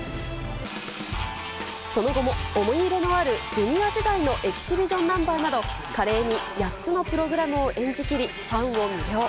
その後も思い入れのある、ジュニア時代のエキシビションナンバーなど、華麗に８つのプログラムを演じきり、ファンを魅了。